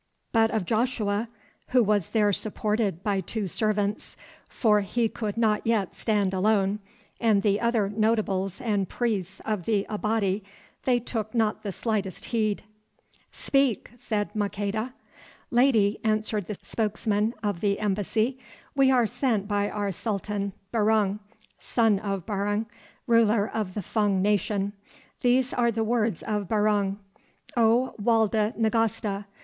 But of Joshua, who was there supported by two servants, for he could not yet stand alone, and the other notables and priests of the Abati, they took not the slightest heed. "Speak," said Maqueda. "Lady," answered the spokesman of the embassy, "we are sent by our Sultan, Barung, son of Barung, Ruler of the Fung nation. These are the words of Barung: O Walda Nagasta!